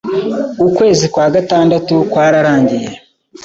Ukwezi kwa gatandatu kwararangiye